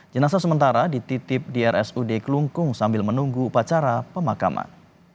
jenazah sementara dititip di rsud kelungkung sambil menunggu upacara pemakaman